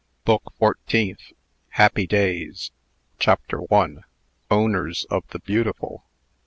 BOOK FOURTEENTH. HAPPY DAYS. CHAPTER I. OWNERS OF THE BEAUTIFUL.